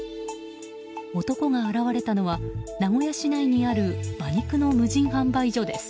男が現れたのは名古屋市内にある馬肉の無人販売所です。